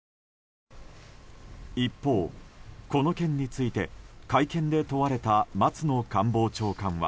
一方、この件について会見で問われた松野官房長官は。